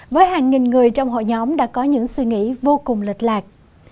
với hàng nghìn người trong hội nhóm đã có những suy nghĩ vô cùng lịch lạc